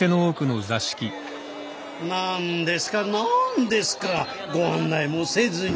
何ですか何ですかご案内もせずに。